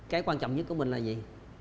cái quan trọng nhất của mình là gì